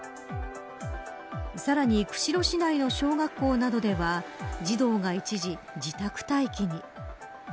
さらに釧路市内の小学校などでは児童が一時、自宅待機に。